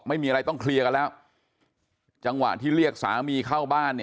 ไม่มีอะไรต้องเคลียร์กันแล้วจังหวะที่เรียกสามีเข้าบ้าน